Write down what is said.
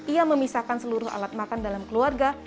ia memisahkan seluruh alat makan dalam keluarga